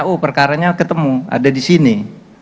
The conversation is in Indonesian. tidak tahu perkaranya ketemu ada disini